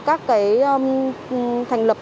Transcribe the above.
các cái thành lập